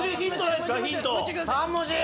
３文字！